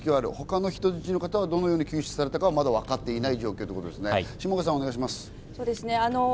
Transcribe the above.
他の人質の方はどのように救出されたかはまだ分かっていない状況ですね、下川さん。